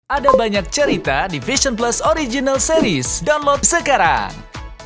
ada banyak cerita di vision plus original series download sekarang